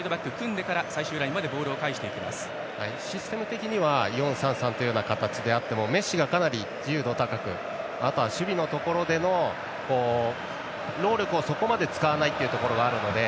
システム的には４−３−３という形であってもメッシがかなり自由度高くまた守備のところでは労力をそこまで使わないというのがあるので。